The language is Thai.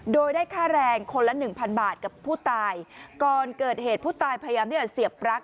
โดยได้ค่าแรงคนละหนึ่งพันบาทกับผู้ตายก่อนเกิดเหตุผู้ตายพยายามที่จะเสียบปลั๊ก